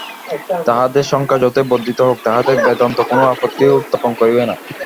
তাঁহাদের সংখ্যা যতই বর্ধিত হউক, তাহাতে বেদান্ত কোন আপত্তি উত্থাপন করিবে না।